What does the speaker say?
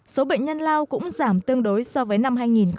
số bệnh nhân lao cũng giảm tương đối so với năm hai nghìn một mươi tám